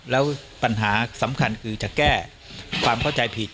แล้วปัญหาสำคัญคือจะแก้ความเข้าใจผิด